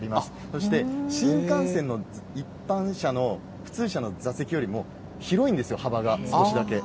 そして、新幹線の一般車の普通車の座席よりも、広いんですよ、幅が少しだけ。